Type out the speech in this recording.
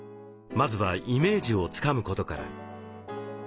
まずはイメージをつかむことから。